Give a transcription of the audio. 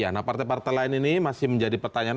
nah partai partai lain ini masih menjadi pertanyaan